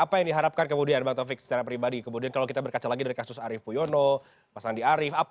apa yang diharapkan kemudian bang taufik secara pribadi kemudian kalau kita berkaca lagi dari kasus arief puyono mas andi arief